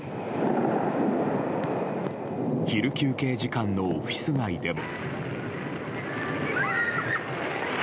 昼休憩時間のオフィス街でも。